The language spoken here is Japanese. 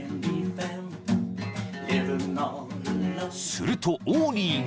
［するとオーリーが］